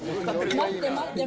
待って、待って。